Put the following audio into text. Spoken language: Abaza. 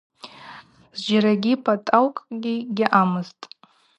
Зджьарагьи пӏатӏаукӏгьи гьаъамызтӏ.